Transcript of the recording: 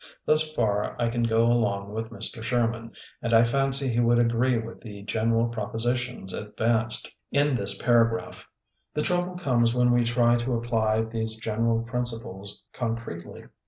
Thus far I can go along with Mr. Sherman, and I fancy he would agree with the general propositions advaced in this paragraph. The trouble comes when we try to apply these general principles con cretely.